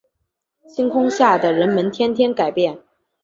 星空下的人们天天改变